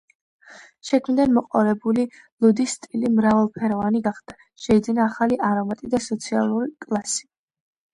შექმნიდან მოყოლებული, ლუდის სტილი მრავალფეროვანი გახდა, შეიძინა ახალი არომატი და სოციალური კლასი.